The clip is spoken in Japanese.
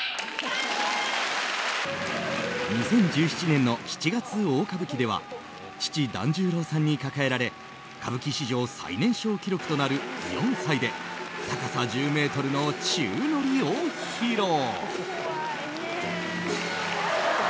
２０１７年の「七月大歌舞伎」では父・團十郎さんに抱えられ歌舞伎史上最年少記録となる４歳で高さ１０ｍの宙乗りを披露。